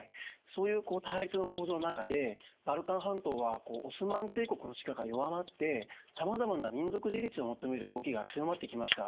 そういう対立の構造の中でバルカン半島はオスマン帝国の力が弱まってさまざまな民族自立を求める動きが強まってきました。